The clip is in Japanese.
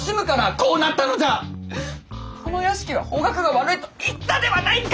この屋敷は方角が悪いと言ったではないか！